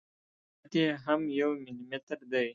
دقت یې هم یو ملي متر دی.